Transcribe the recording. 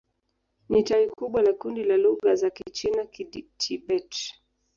Ni tawi kubwa la kundi la lugha za Kichina-Kitibet.